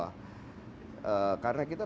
karena kita terus menerus mencoba untuk mempertahankan